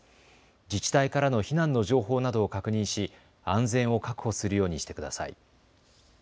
自治体からの避難の情報などを確認し安全を確保するようにしてください。